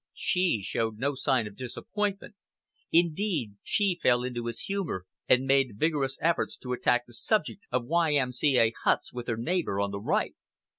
She showed no sign of disappointment; indeed she fell into his humour and made vigorous efforts to attack the subject of Y.M.C.A. huts with her neighbour on the right.